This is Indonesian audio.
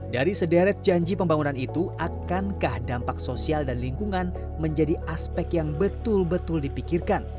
dari sederet janji pembangunan itu akankah dampak sosial dan lingkungan menjadi aspek yang betul betul dipikirkan